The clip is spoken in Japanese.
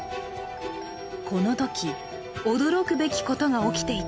このとき驚くべきことが起きていた。